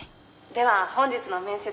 では本日の面接